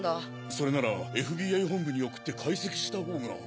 それならＦＢＩ本部に送って解析したほうが。